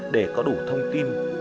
để có đủ thông tin thông tin thông tin